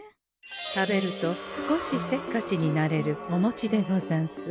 食べると少しせっかちになれるおもちでござんす。